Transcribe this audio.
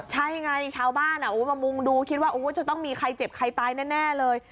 ใช่ไงชาวบ้านมามุงดูคิดว่าจะต้องมีใครเจ็บใครตายแน่เลย